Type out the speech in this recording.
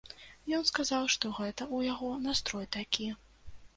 Ён сказаў, што гэта ў яго настрой такі.